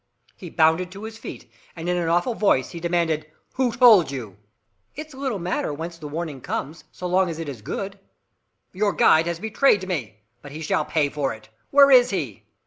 He bounded to his feet, and in an awful voice he demanded: "Who told you?" "It's little matter whence the warning comes, so long as it be good." "Your guide has betrayed me but he shall pay for it! Where is he?"